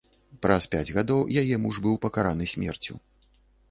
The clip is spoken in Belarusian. Праз пяць гадоў яе муж быў пакараны смерцю.